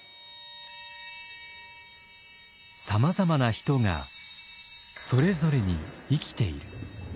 さまざまな人がそれぞれに生きている。